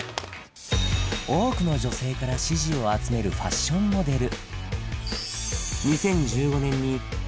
多くの女性から支持を集めるファッションモデル